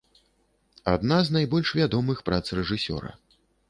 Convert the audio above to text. Адна з найбольш вядомых прац рэжысёра.